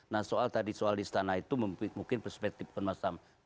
nah soal tadi soal di istana itu mungkin perspektif pemaksaman